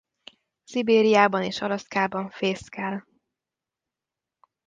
Szibériában és Alaszkában fészkel.